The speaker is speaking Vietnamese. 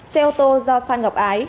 xe ô tô do phan ngọc ái